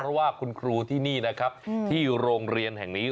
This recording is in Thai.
เพราะว่าคุณครูที่นี่นะครับที่โรงเรียนแห่งนี้